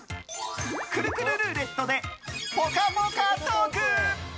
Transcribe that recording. くるくるルーレットでぽかぽかトーク！